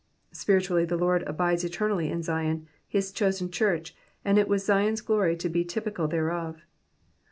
'*'' Spiritually the Lord abides eternally in Zion, his chosen church, and it was Zion's glory to be typical thereof.